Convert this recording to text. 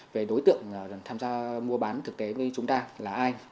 về đối tượng tham gia mua bán thực tế với chúng ta là ai